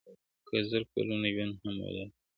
که زر کلونه ژوند هم ولرمه~